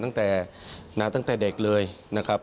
ตั้งแต่เด็กเลยนะครับ